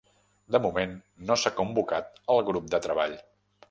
De moment, no s'ha convocat el grup de treball.